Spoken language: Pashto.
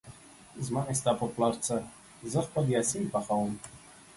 زما يې ستا په پلار څه ، زه خپل يا سين پخوم